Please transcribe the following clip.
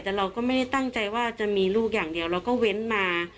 แต่เราก็ไม่ได้ตั้งใจว่าจะมีลูกอย่างเดียวเราก็เว้นมา